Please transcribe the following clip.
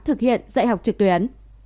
thực hiện dạy học trực tuyến